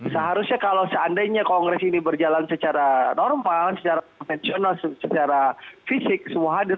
seharusnya kalau seandainya kongres ini berjalan secara normal secara konvensional secara fisik semua hadir